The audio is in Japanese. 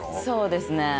そうですね。